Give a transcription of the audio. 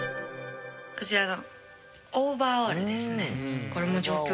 こちらの。